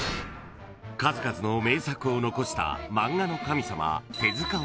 ［数々の名作を残した漫画の神様］